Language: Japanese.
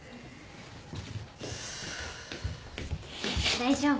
大丈夫？